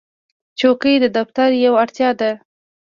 چوکۍ د دفتر یوه اړتیا ده.